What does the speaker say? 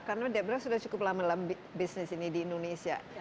karena debra sudah cukup lama dalam bisnis ini di indonesia